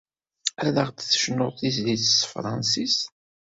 Ad ɣ-d-tecnuḍ tizlit s tefransist?